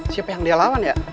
siapa yang dia lawan ya